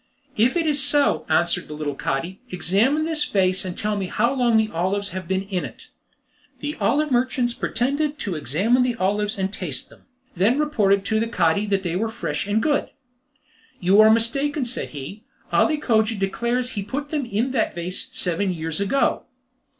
"If that is so," answered the little Cadi, "examine this vase, and tell me how long the olives have been in it." The olive merchants pretended to examine the olives and taste them; then reported to the Cadi that they were fresh and good. "You are mistaken," said he, "Ali Cogia declares he put them in that vase seven years ago."